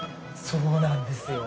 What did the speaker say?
そうなんですよ。